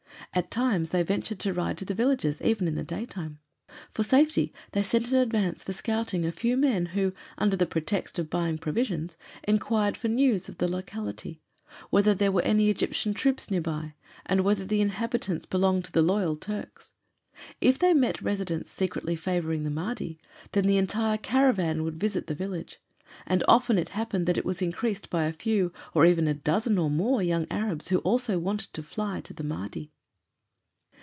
At times they ventured to ride to villages even in daytime. For safety they sent in advance for scouting a few men who, under the pretext of buying provisions, inquired for news of the locality; whether there were any Egyptian troops near by and whether the inhabitants belonged to "the loyal Turks." If they met residents secretly favoring the Mahdi, then the entire caravan would visit the village, and often it happened that it was increased by a few or even a dozen or more young Arabs who also wanted to fly to the Mahdi.